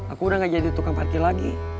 aku udah gak jadi tukang parkir lagi